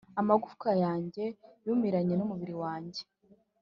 Amagufwa yanjye yumiranye n umubiri wanjye.